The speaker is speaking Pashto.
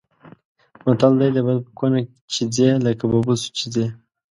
متل دی: د بل په کونه چې ځي لکه په بوسو چې ځي.